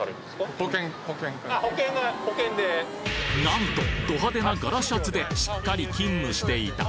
なんとド派手な柄シャツでしっかり勤務していた。